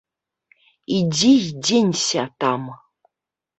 Ідзі і дзенься там.